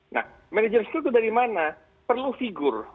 nah manajer skill itu dari mana perlu figur